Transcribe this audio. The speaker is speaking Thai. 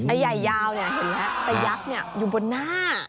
ใหญ่ยาวเนี่ยเห็นแล้วแต่ยักษ์อยู่บนหน้า